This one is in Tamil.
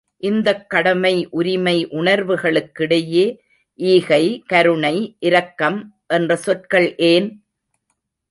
இந்தக் கடமை உரிமை உணர்வுகளுக்கிடையே ஈகை, கருணை, இரக்கம் என்ற சொற்கள் ஏன்?